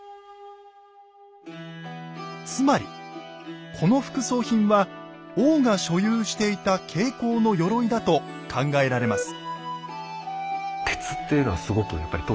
つまりこの副葬品は王が所有していた挂甲のよろいだと考えられます。